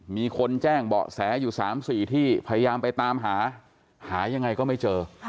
มีคนแจ้งเบาะแสอยู่๓๔ที่พยายามไปตามหาหายังไงก็ไม่เจอ